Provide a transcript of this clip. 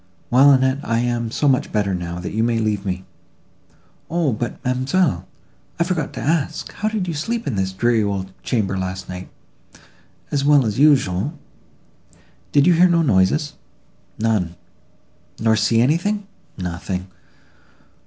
"Well, Annette, I am now so much better, that you may leave me." "O, but, ma'amselle, I forgot to ask—how did you sleep in this dreary old chamber last night?"—"As well as usual."—"Did you hear no noises?"—"None."—"Nor see anything?"—"Nothing."